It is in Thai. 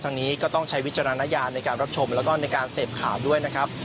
นี้ก็ต้องใช้วิจารณญาณในการรับชมแล้วก็ในการเสพข่าวด้วยนะครับ